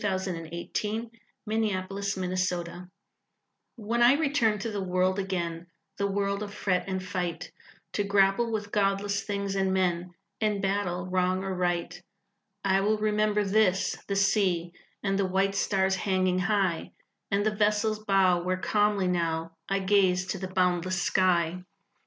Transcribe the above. A SONG FOR HEALING (On the South Seas) When I return to the world again, The world of fret and fight, To grapple with godless things and men, In battle, wrong or right, I will remember this the sea, And the white stars hanging high, And the vessel's bow Where calmly now I gaze to the boundless sky.